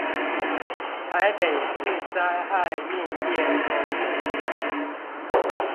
台北市災害應變中心